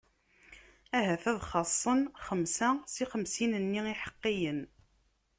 Ahat ad xaṣṣen xemsa si xemsin-nni n iḥeqqiyen.